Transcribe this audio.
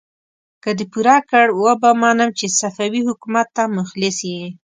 که دې پوره کړ، وبه منم چې صفوي حکومت ته مخلص يې!